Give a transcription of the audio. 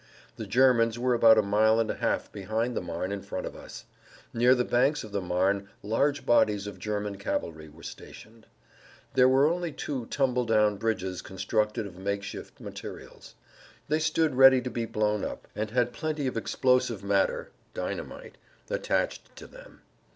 The Germans were about a mile and a half behind the Marne in front of us. Near the banks of the Marne large bodies of German cavalry were stationed. There were only two tumble down bridges constructed of make shift materials. They stood ready to[Pg 102] be blown up, and had plenty of explosive matter (dynamite) attached to them.